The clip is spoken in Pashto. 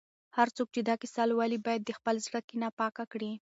هر څوک چې دا کیسه لولي، باید د خپل زړه کینه پاکه کړي.